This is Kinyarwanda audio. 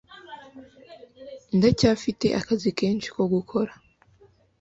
ndacyafite akazi kenshi ko gukora